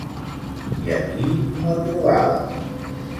I a qui no trobava?